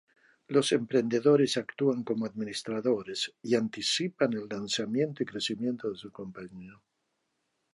Los emprendedores actúan como administradores y anticipan el lanzamiento y crecimiento de su compañía.